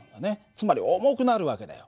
つまり重くなる訳だよ。